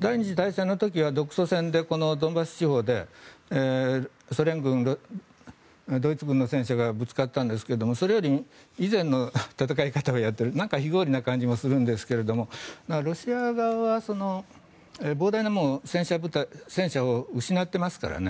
第２次大戦の時は独ソ戦でドンバス地方でソ連軍ドイツ軍の戦車がぶつかったんですがそれより以前の戦い方をやっている非合理な感じもするんですがロシア側は膨大な戦車を失っていますからね。